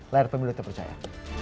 layar pemilu terpercaya